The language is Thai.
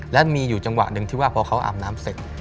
และมีอยู่จังหวะหนึ่งที่ว่าพอเขาอาบน้ำเสร็จ